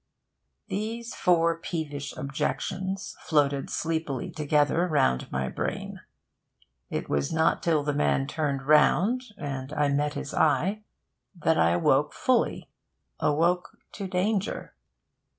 These four peevish objections floated sleepily together round my brain. It was not till the man turned round, and I met his eye, that I awoke fully awoke to danger.